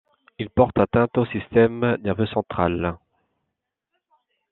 Il porte atteinte au système nerveux central.